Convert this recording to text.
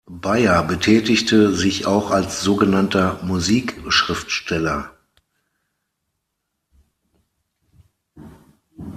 Beyer betätigte sich auch als so genannter Musikschriftsteller.